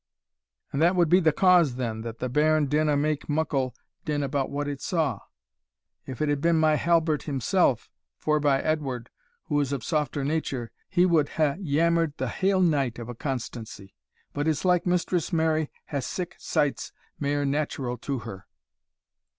"And that wad be the cause, then, that the bairn didna mak muckle din about what it saw? if it had been my Halbert himself, forby Edward, who is of softer nature, he wad hae yammered the haill night of a constancy. But it's like Mistress Mary hae sic sights mair natural to her."